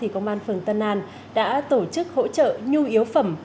công an phường tân an đã tổ chức hỗ trợ nhu yếu phẩm